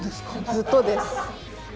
ずっとです。